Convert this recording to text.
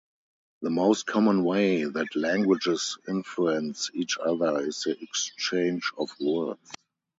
The most common way that languages influence each other is the exchange of words.